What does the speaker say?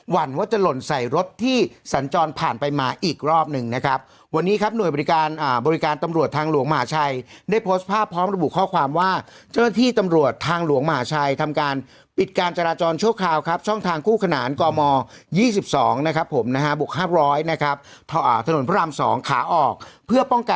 วันว่าจะหล่นใส่รถที่สัญจรผ่านไปมาอีกรอบหนึ่งนะครับวันนี้ครับหน่วยบริการบริการตำรวจทางหลวงมหาชัยได้โพสต์ภาพพร้อมระบุข้อความว่าเจ้าหน้าที่ตำรวจทางหลวงมหาชัยทำการปิดการจราจรชั่วคราวครับช่องทางคู่ขนานกม๒๒นะครับผมนะฮะบุก๕๐๐นะครับถนนพระราม๒ขาออกเพื่อป